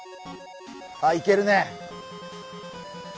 あっいけるね！